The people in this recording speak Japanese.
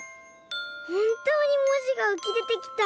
ほんとうにもじがうきでてきた。